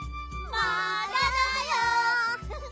まだだよ！